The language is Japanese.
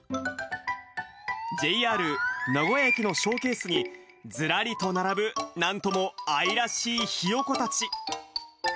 ＪＲ名古屋駅のショーケースにずらりと並ぶ、なんとも愛らしいひよこたち。